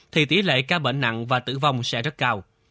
thì tỷ lệ ca bệnh nặng và tử vong sẽ rất cao